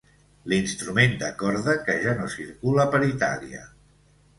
L'instrument de corda que ja no circula per Itàlia.